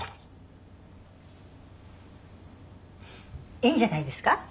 いいんじゃないですか。